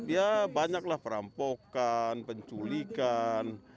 ya banyaklah perampokan penculikan